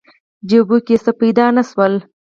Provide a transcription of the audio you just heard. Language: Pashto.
جیبو کې څه پیدا نه شول.